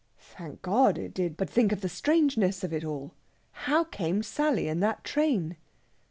"Thank God it did! But think of the strangeness of it all! How came Sally in that train?"